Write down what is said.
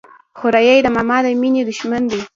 خوريي د ماما د ميني د ښمن دى.